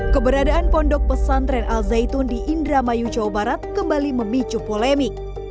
keberadaan pondok pesantren al zaitun di indramayu jawa barat kembali memicu polemik